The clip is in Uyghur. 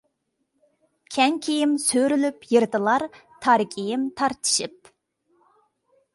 كەڭ كىيىم سۆرىلىپ يىرتىلار، تار كىيىم تارتىشىپ.